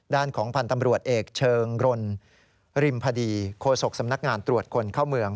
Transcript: ด้านของพันธ์ตำรวจเอกเชิงรนริมพดีโคศกสำนักงานตรวจคนเข้าเมือง